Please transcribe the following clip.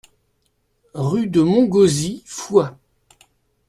Rue de Montgauzy, Foix